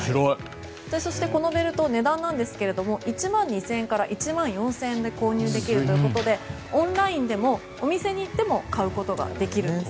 そして、このベルトの値段ですが１万２０００円から１万４０００円で購入できるということでオンラインでもお店でも買うことができます。